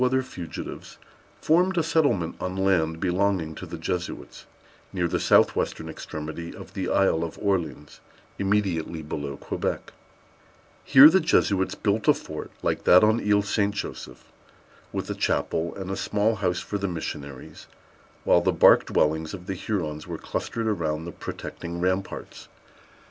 These united parties, joined from time to time by a few other fugitives, formed a settlement on land belonging to the Jesuits, near the south western extremity of the Isle of Orleans, immediately below Quebec. Here the Jesuits built a fort, like that on Isle St. Joseph, with a chapel, and a small house for the missionaries, while the bark dwellings of the Hurons were clustered around the protecting ramparts.